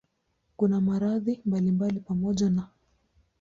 Kuna maradhi mbalimbali pamoja na